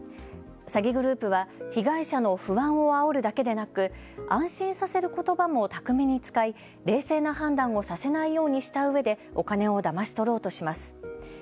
詐欺グループは被害者の不安をあおるだけでなく安心させることばも巧みに使い冷静な判断をさせないようにしたうえでお金をだまし取ろうとします。